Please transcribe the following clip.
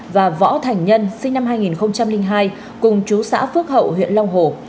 và võ thành nhân sinh năm hai nghìn hai cùng chú xã phước hậu huyện long hồ